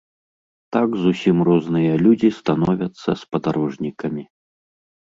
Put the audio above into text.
Так зусім розныя людзі становяцца спадарожнікамі.